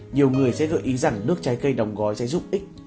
nhiều người sẽ gợi ý rằng nước trái cây đóng gói sẽ giúp ích